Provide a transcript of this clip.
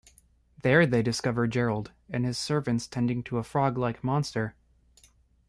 There they discover Gerald and his servants tending to a frog-like monster.